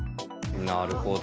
なるほど。